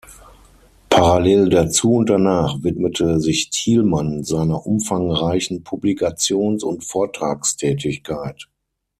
Parallel dazu und danach widmete sich Thielmann seiner umfangreichen Publikations- und Vortragstätigkeit.